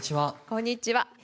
こんにちは。